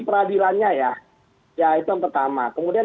peradilannya ya ya itu yang pertama kemudian